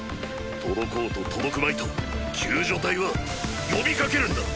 届こうと届くまいと救助隊は呼びかけるんだ。